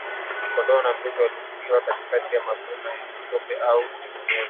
kondoo na mbuzi waliofungiwa katika maboma yenye tope au unyevunyevu